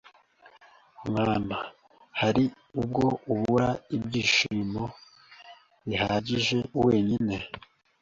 "Mwana, hari ubwo ubura ibyishimo bihagije 'wenyine